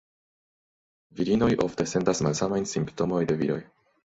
Virinoj ofte sentas malsamajn simptomoj de viroj.